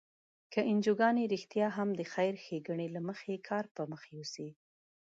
که انجوګانې رښتیا هم د خیر ښیګڼې له مخې کار پر مخ یوسي.